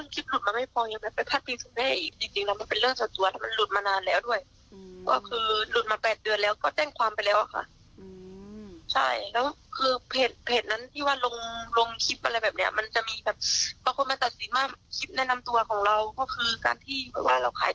แต่สิ่งมากคลิปแนะนำตัวของเราก็คือการที่หวังว่าเราขายตัว